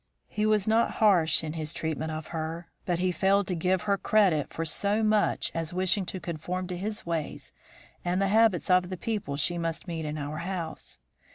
He was not harsh in his treatment of her, but he failed to give her credit for so much as wishing to conform to his ways and the habits of the people she must meet in our house.